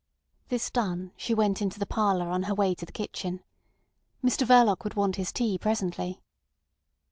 This done, she went into the parlour on her way to the kitchen. Mr Verloc would want his tea presently.